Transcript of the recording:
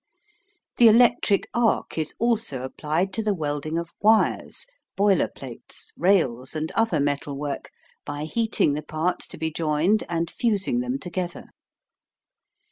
The electric arc is also applied to the welding of wires, boiler plates, rails, and other metal work, by heating the parts to be joined and fusing them together.